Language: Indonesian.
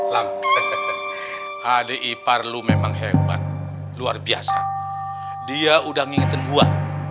lam adik ipar lu memang hebat luar biasa dia udah ngingetin gua